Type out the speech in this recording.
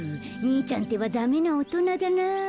兄ちゃんってばダメなおとなだな。